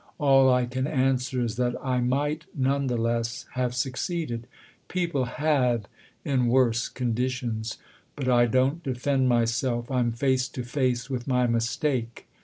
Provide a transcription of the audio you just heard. All I can answer is that I might none the less have succeeded. People have in worse con ditions. But I don't defend myself I'm face to face with my mistake.